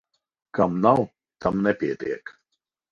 Kam nav, tam nepietiek.